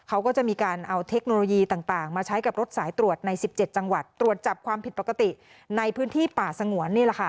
เขาก็จะมีการเอาเทคโนโลยีต่างมาใช้กับรถสายตรวจใน๑๗จังหวัดตรวจจับความผิดปกติในพื้นที่ป่าสงวน